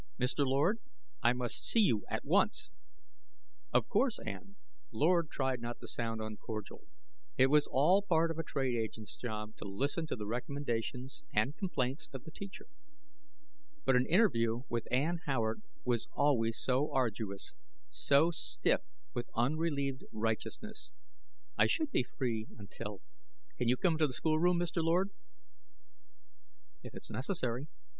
"Mr. Lord, I must see you at once." "Of course, Ann." Lord tried not to sound uncordial. It was all part of a trade agent's job, to listen to the recommendations and complaints of the teacher. But an interview with Ann Howard was always so arduous, so stiff with unrelieved righteousness. "I should be free until " "Can you come down to the schoolroom, Mr. Lord?" "If it's necessary.